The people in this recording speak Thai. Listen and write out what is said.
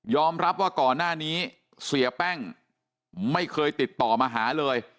รับว่าก่อนหน้านี้เสียแป้งไม่เคยติดต่อมาหาเลย